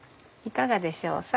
いかがでしょう？